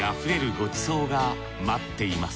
ごちそうが待っています